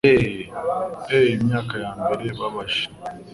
e imyuka ya kera ibabaje